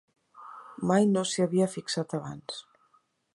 Mai no s'hi havia fixat abans.